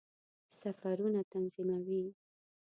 سفرونه تنظیموي.